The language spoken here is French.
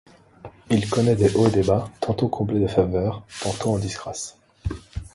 Il connaît des hauts et des bas, tantôt comblé de faveurs, tantôt en disgrâce.